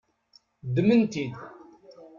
Ddmen-t-id.